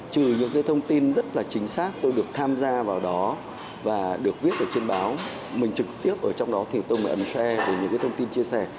trừ những cái thông tin rất là chính xác tôi được tham gia vào đó và được viết ở trên báo mình trực tiếp ở trong đó thì tôi mới ấn share để những cái thông tin chia sẻ